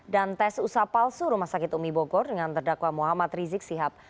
dan tes usaha palsu rumah sakit umi bogor dengan terdakwa muhammad rizik sihab